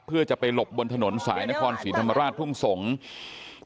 เพื่อจะไปหลบบนถนนสายนครศรีธรรมราชทุ่งสงศ์